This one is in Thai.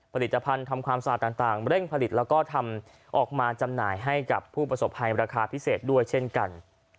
ผลิตภัณฑ์ทำความสะอาดต่างเร่งผลิตแล้วก็ทำออกมาจำหน่ายให้กับผู้ประสบภัยราคาพิเศษด้วยเช่นกัน